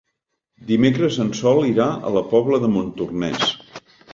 Dimecres en Sol irà a la Pobla de Montornès.